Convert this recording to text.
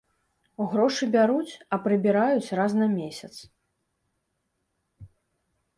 Грошы бяруць, а прыбіраюць раз на месяц.